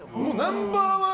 ナンバー１。